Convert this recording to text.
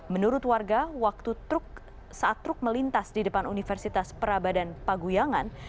menurut warga waktu truk saat truk melintas di depan universitas prabadan paguyangan